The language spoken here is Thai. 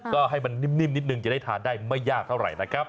ก็ให้มันนิ่มนิดนึงจะได้ทานได้ไม่ยากเท่าไหร่นะครับ